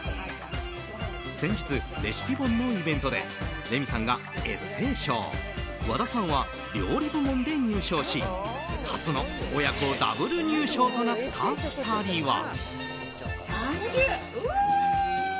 先日、レシピ本のイベントでレミさんがエッセイ賞和田さんは料理部門で入賞し初の母娘ダブル入賞となった２人は。